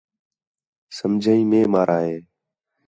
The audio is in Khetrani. سمجھین مئے مارا ہِے